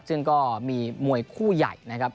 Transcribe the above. ซึ่งก็มีมวยคู่ใหญ่นะครับ